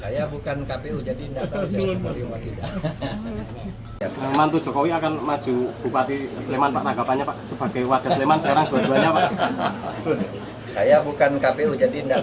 saya bukan kpu jadi nggak tahu saya ke kpu